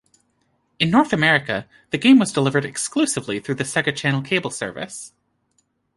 In North America, the game was delivered exclusively through the Sega Channel cable service.